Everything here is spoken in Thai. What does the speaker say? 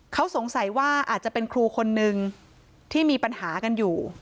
เขาสงสัยว่าอาจจะเป็นครูคนนึงที่มีปัญหากันอยู่